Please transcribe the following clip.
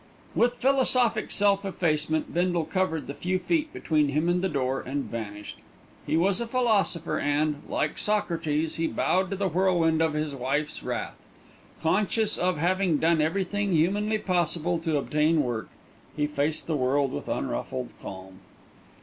With philosophic self effacement Bindle covered the few feet between him and the door and vanished. He was a philosopher and, like Socrates, he bowed to the whirlwind of his wife's wrath. Conscious of having done everything humanly possible to obtain work, he faced the world with unruffled calm.